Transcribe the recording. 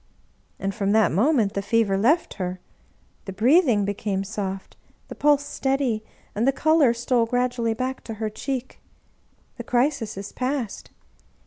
" And from that moment the fever left her ; the breath ing became soft, the pulse steady, and the color stole gradually back to her cheek. The crisis is past.